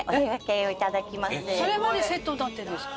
それまでセットになってるんですか？